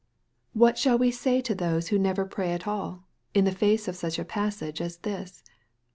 What shall we say to those who never pray at all, in the face of such a passage as this